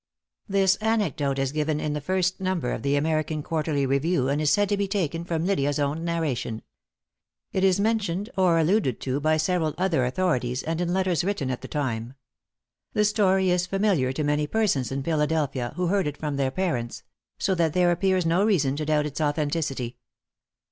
This anecdote is given in the first number of the American Quarterly Review, and is said to be taken from Lydia's own narration. It is mentioned or alluded to by several other authorities, and in letters written at the time. The story is familiar to many persons in Philadelphia, who heard it from their parents; so that there appears no reason to doubt its authenticity.